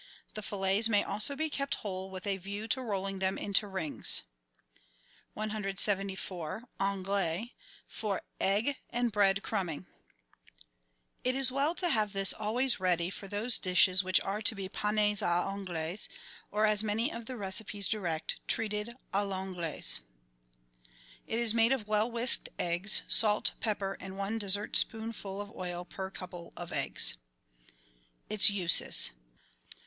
The fillets may also be kept whole with a view to rolling them into rings. 174— ANQLAISE (FOR EQO=AND BREAD CRUMBINQ) It is well to have this always ready for those dishes which are to be panes a I'anglaise, or as many of the recipes direct : treated a I'anglaise. ELEMENTARY PREPARATIONS 71 It is made of well whisked eggs, salt, pepper, and one dessertspoonful of oil per couple of eggs. Its Uses.